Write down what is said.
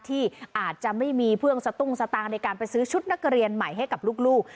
ที่อาจจะไม่มีเครื่องสตุ้งสตางค์ในการไปซื้อชุดนักเรียนใหม่ให้กับลูก